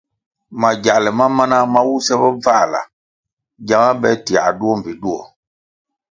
Magyāle ma mana ma wuse bobvāla gyama be tiā duo mbpi duo.